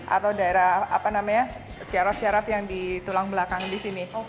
atau daerah apa namanya syaraf syaraf yang di tulang belakang di sini